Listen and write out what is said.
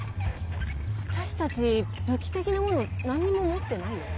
私たち武器的なもの何にも持ってないよ？